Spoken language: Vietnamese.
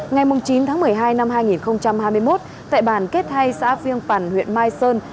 ngày chín tháng một mươi hai năm hai nghìn hai mươi một tại bàn kết thay xã phiêng phản huyện mai sơn